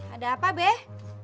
ada apa beh